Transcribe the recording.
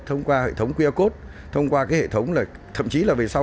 thông qua hệ thống qr code thông qua cái hệ thống là thậm chí là về sau